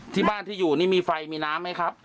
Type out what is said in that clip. ที่บ้านที่อยู่นี่มีไฟมีน้ำไหมครับ